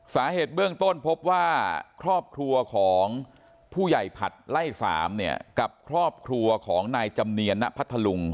สาเหตุเบื้องต้นพบว่าครอบครัวของผู้ใหญ่ผัดไล่๓เนี่ยกับครอบครัวของนายจำเนียนณพัทธลุง